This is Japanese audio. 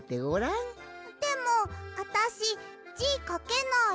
でもあたしじかけない。